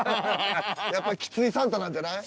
やっぱりきついサンタなんじゃない？